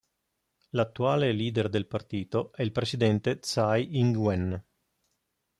L'attuale leader del partito è il presidente Tsai Ing-wen.